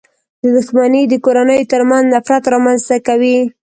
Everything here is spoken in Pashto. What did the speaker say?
• دښمني د کورنيو تر منځ نفرت رامنځته کوي.